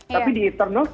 tapi di eternal